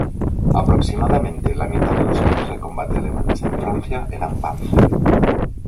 Aproximadamente la mitad de los carros de combate alemanes en Francia eran Panther.